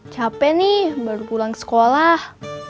capek nih baru pulang sekolah